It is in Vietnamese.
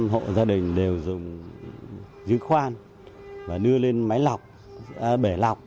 một trăm linh hộ gia đình đều dùng dưới khoan và đưa lên máy lọc bể lọc